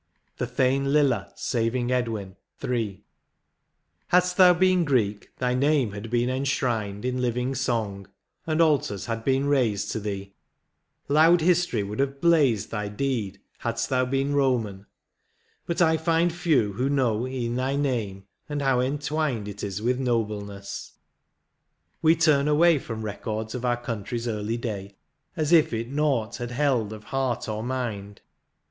37 XVIIL THE THANE LILLA SAVING EDWIN. — III. Hadst thou been Greek, thy name had been en shrined In living song, and altars had been raised To thee, — loud history would have bleized Thy deed hadst thou been Boman ; but I find Few who know e'en thy name and how entwined It is with nobleness ; we turn away From records of our country's early day As if it naught had held of heart or mind.